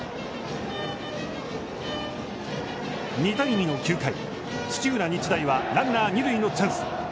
２対２の９回土浦日大はランナー二塁のチャンス。